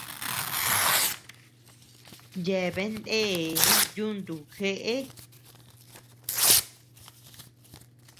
Yeabean ndee yuntu jeʼe.